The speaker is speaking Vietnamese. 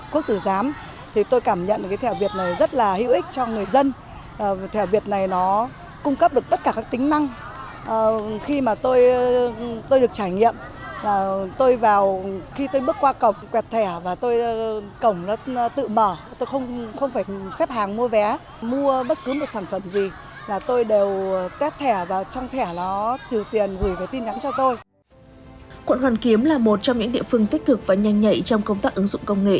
quận hoàn kiếm là một trong những địa phương tích cực và nhanh nhạy trong công tác ứng dụng công nghệ